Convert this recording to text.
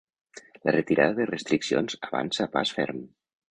La retirada de restriccions avança a pas ferm.